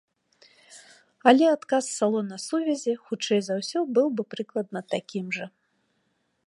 Але адказ салона сувязі, хутчэй за ўсё, быў бы прыкладна такім жа.